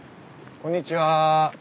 こんにちは。